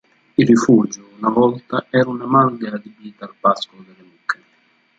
Il rifugio una volta era una malga adibita al pascolo delle mucche.